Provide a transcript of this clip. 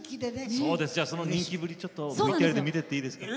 じゃあその人気ぶりちょっとＶＴＲで見ていっていいですか？